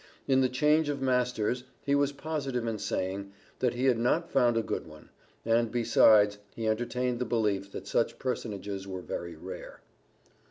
In the change of masters he was positive in saying, that he had not found a good one, and, besides, he entertained the belief that such personages were very rare.